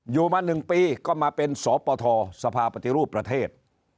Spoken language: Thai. อยู่มา๑ปีก็มาเป็นสปทสภาปฏิรูปประเทศ